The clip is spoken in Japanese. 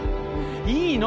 いいの！